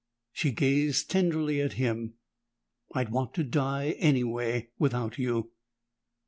She gazed tenderly at him. "I'd want to die anyway without you!"